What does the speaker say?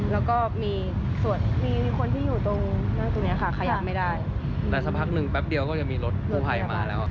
แล้วก็มีคนที่อยู่ตรงนั้นตรงนี้ค่ะขยับไม่ได้แต่สักพักหนึ่งแป๊บเดียวก็ยังมีรถผู้ไผ่มาแล้ว